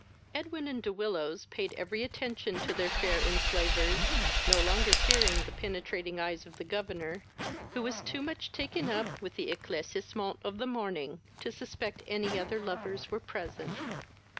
Edwin and De Willows paid every attention to their fair enslavers, no longer fearing the penetrating eyes of the governor, who was too much taken up with the eclaircissement of the morning to suspect any other lovers were present.